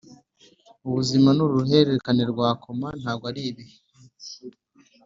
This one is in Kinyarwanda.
ubuzima nuruhererekane rwa koma, ntabwo ari ibihe.